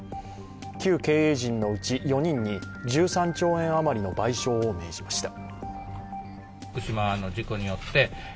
旧経営陣のうち４人に１３兆円余りの賠償を命じました。